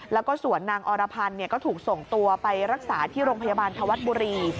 แล้วก็ส่วนนางอรพันธ์ก็ถูกส่งตัวไปรักษาที่โรงพยาบาลธวัฒน์บุรี